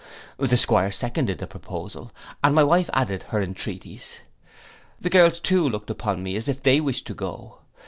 The 'Squire seconded the proposal, and my wife added her entreaties: the girls too looked upon me as if they wished to go.